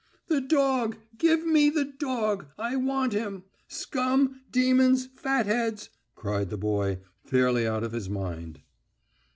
"The dog! Give me the dog; I want him! Scum, demons, fatheads!" cried the boy, fairly out of his mind.